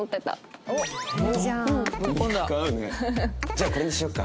じゃあこれにしようか。